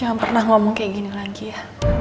jangan pernah ngomong kayak gini lagi ya